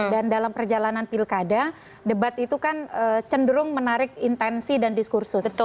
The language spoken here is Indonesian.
dan dalam perjalanan pilkada debat itu kan cenderung menarik intensi dan diskursus